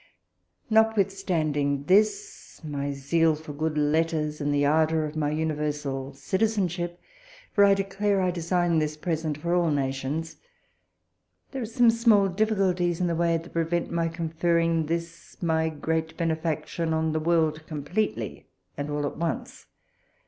Notwithstanding this my zeal for good letters, and the ardour of my universal citizenship, (for I declare I design this present for all nations) there are some small difficulties in the way, that prevent my conferring this my great benefaction on the world compleatly and all at once.